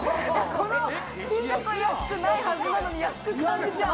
この金額は安くないはずなのに安く感じちゃう。